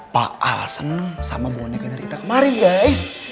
pak al seneng sama boneka dari kita kemarin guys